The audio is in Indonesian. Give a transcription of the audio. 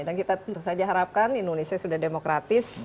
dan kita tentu saja harapkan indonesia sudah demokratis